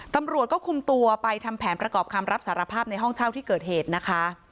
ตำรวจก็คุมตัวไปทำแผนประกอบคำรับสารภาพในห้องเช่าที่เกิดเหตุนะคะ